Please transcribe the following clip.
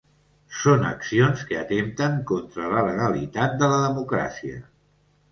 Són accions que atempten contra la legalitat de la democràcia.